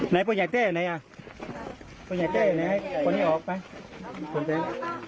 ไหนพวกนี้อยากเจ๊ไหนอ่ะพวกนี้อยากเจ๊ไหนพวกนี้ออกไปออกไป